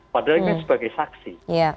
padahal ini sebagai saksi